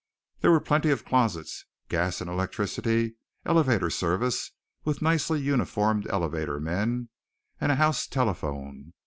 There were plenty of closets, gas and electricity, elevator service with nicely uniformed elevator men, and a house telephone.